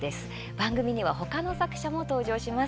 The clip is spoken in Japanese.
番組には他の作者も登場します。